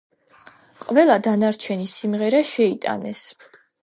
ყველა დანარჩენი სიმღერა შეიტანეს.